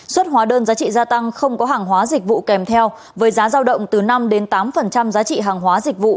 xuất hóa đơn giá trị gia tăng không có hàng hóa dịch vụ kèm theo với giá giao động từ năm tám giá trị hàng hóa dịch vụ